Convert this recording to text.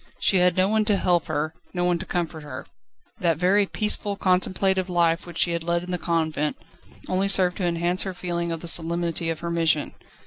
She had no one to help her, no one to comfort her. That very peaceful, contemplative life she had led in the convent, only served to enhance her feeling of the solemnity of her mission.